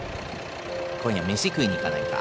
今夜飯食いに行かないか？